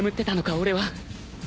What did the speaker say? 俺は